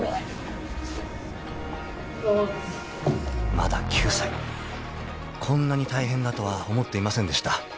［まだ９歳こんなに大変だとは思っていませんでした］